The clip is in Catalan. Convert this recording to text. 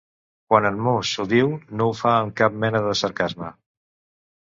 Quan en Moose ho diu, no ho fa amb cap mena de sarcasme.